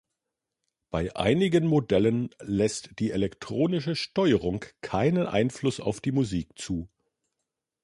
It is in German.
Bei einigen Modellen lässt die elektronische Steuerung keinen Einfluss auf die Musik zu.